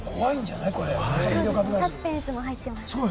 サスペンスも入ってます。